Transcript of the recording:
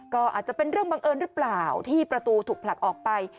ก็อาจจะเป็นเรื่องบังเอิญหรือเปล่าที่ประตูถูกผลักออกไป